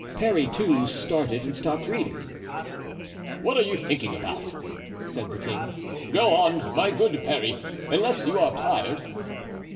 Parry, too, started and stopped reading. "What are you thinking about?" said the king; "go on, my good Parry, unless you are tired."